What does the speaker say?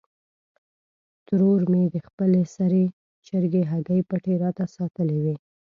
ترور مې د خپلې سرې چرګې هګۍ پټې راته ساتلې وې.